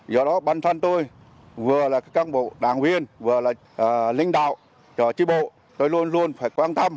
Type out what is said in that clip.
do đó bản thân tôi vừa là cán bộ đảng viên vừa là linh đạo cho tri bộ tôi luôn luôn phải quan tâm